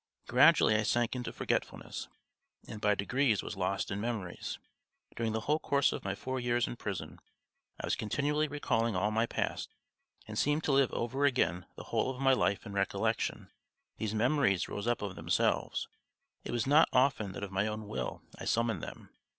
Gradually I sank into forgetfulness and by degrees was lost in memories. During the whole course of my four years in prison I was continually recalling all my past, and seemed to live over again the whole of my life in recollection. These memories rose up of themselves, it was not often that of my own will I summoned them.